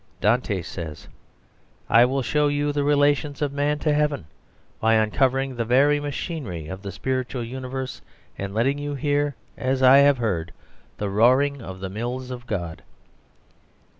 Dante says, "I will show you the relations of man to heaven by uncovering the very machinery of the spiritual universe, and letting you hear, as I have heard, the roaring of the mills of God."